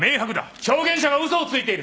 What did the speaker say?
証言者が嘘をついている！